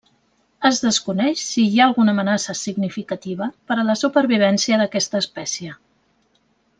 Es desconeix si hi ha alguna amenaça significativa per a la supervivència d'aquesta espècie.